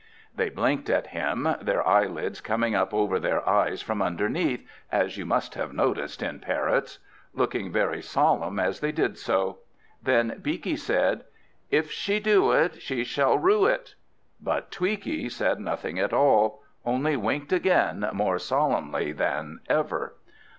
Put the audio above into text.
They blinked at him, their eyelids coming up over their eyes from underneath, as you must have noticed in parrots; looking very solemn as they did so. Then Beaky said, "If she do it She shall rue it!" But Tweaky said nothing at all; only winked again more solemnly than ever.